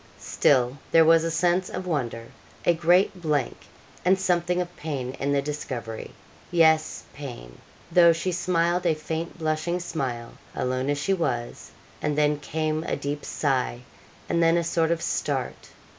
Still there was a sense of wonder a great blank, and something of pain in the discovery yes, pain though she smiled a faint blushing smile alone as she was; and then came a deep sigh; and then a sort of start.